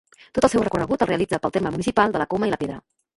Tot el seu recorregut el realitza pel terme municipal de la Coma i la Pedra.